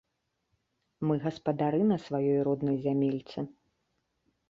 Мы гаспадары на сваёй роднай зямельцы.